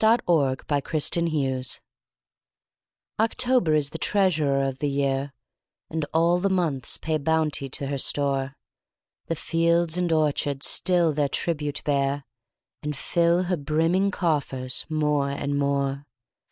Paul Laurence Dunbar October OCTOBER is the treasurer of the year, And all the months pay bounty to her store: The fields and orchards still their tribute bear, And fill her brimming coffers more and more.